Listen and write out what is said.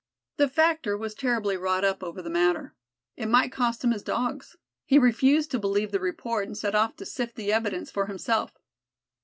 The Factor was terribly wrought up over the matter. It might cost him his Dogs. He refused to believe the report and set off to sift the evidence for himself.